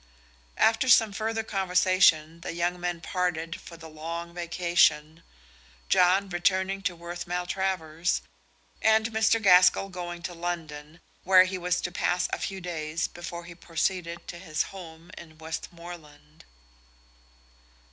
After some further conversation the young men parted for the Long Vacation John returning to Worth Maltravers and Mr. Gaskell going to London, where he was to pass a few days before he proceeded to his home in Westmorland.